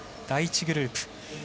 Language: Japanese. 第１グループ。